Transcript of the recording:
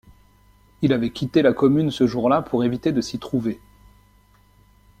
Il avait quitté la commune ce jour-là pour éviter de s’y trouver.